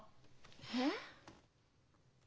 えっ？